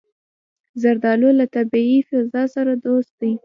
زردالو له طبیعي فضا سره دوست دی.